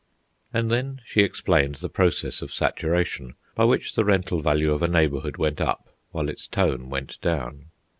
And then she explained the process of saturation, by which the rental value of a neighbourhood went up, while its tone went down.